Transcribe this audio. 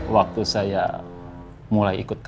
waktu saya mulai ikut